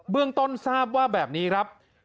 เรื่องต้นทราบว่าแบบนี้ครับ